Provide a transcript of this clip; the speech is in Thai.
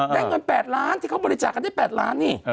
เงิน๘ล้านที่เขาบริจาคกันได้๘ล้านนี่